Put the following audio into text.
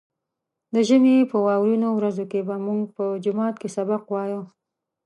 د ژمي په واورينو ورځو کې به موږ په جومات کې سبق وايه.